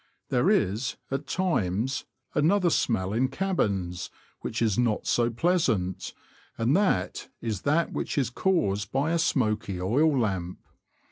There is, at times, another smell in cabins, which is not so pleasant, and that is that which is caused by a smoky oil lamp.